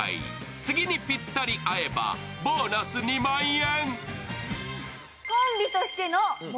次ぴったり合えばボーナス２万円。